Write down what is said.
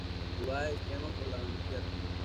Jugaba de extremo por la banda izquierda.